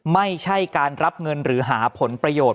ไม่ใช่การรับเงินหรือหาผลประโยชน์